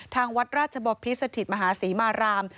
ทางวัดราชบพิสถิตมหาศรีมาราม